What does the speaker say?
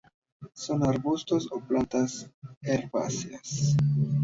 Son arbustos o plantas herbáceas.